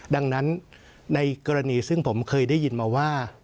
ดังนั้นในกรณีซึ่งผมเคยได้ยินมาว่า